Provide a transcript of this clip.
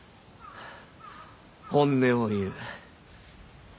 本音を言う。